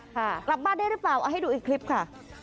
กลับบ้านได้หรือเปล่าเอาให้ดูอีกคลิปค่ะ